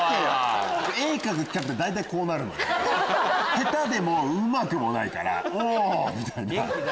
下手でもうまくもないから「お」みたいな。